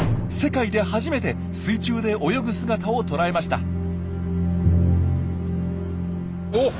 世界で初めて水中で泳ぐ姿をとらえました！